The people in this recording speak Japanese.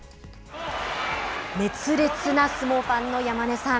熱烈な相撲ファンの山根さん。